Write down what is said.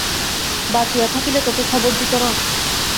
বাঁচিয়া থাকিলে তোকে খবর দিত না?